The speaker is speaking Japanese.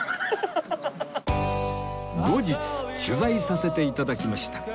後日取材させて頂きました